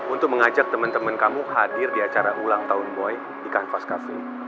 untuk mengajak teman teman kamu hadir di acara ulang tahun boy di kanvas cafe